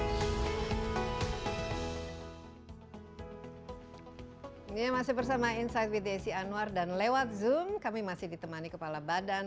ini masih bersama insight with desi anwar dan lewat zoom kami masih ditemani kepala badan